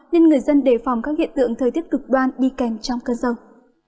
nên người dân đề phòng các hiện tượng thời tiết cực đoan đi kèm trong cơn rông